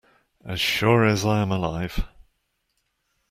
As sure as I am alive.